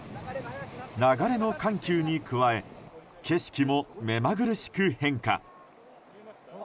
流れの緩急に加え景色もめまぐるしく変化。